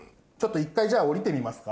１階じゃあ下りてみますか。